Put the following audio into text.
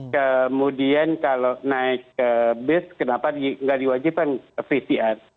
kemudian kalau naik bis kenapa nggak diwajibkan pcr